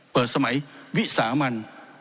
เปิดสมัยวิสามัน